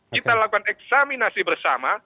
kita lakukan eksaminasi bersama